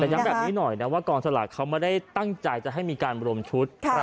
แต่ย้ำแบบนี้หน่อยนะว่ากองสลากเขาไม่ได้ตั้งใจจะให้มีการรวมชุด